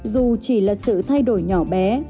dù chỉ là sự thay đổi nhỏ bé